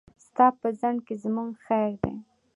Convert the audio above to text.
ستا په ځنډ کې زموږ خير دی.